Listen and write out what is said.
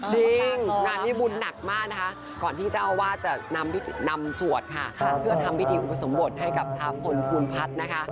จริงงานนี้บุญหนักมากนะคะก่อนที่เจ้าอาวาสจะนำสวดค่ะเพื่อทำพิธีอุปสมบทให้กับพระพลภูมิพัฒน์นะคะ